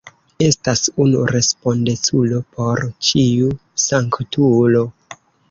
Estas unu respondeculo por ĉiu sanktulo.